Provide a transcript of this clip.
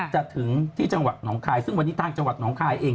ถึงที่จังหวัดหนองคายซึ่งวันนี้ทางจังหวัดหนองคายเอง